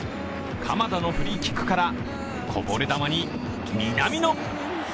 鎌田のフリーキックからこぼれ球に南野。